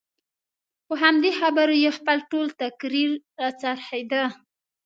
په همدې خبرو یې خپل ټول تقریر راڅرخېده.